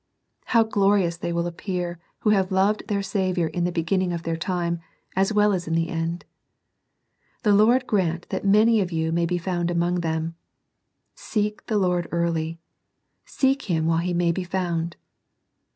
How glorious they will appear who have loved their Saviour in the beginning of their time, as well as in the end. The Lord grant that many of you may be found among them. Oh, seek the Lord early ! Seek Him while He may be found.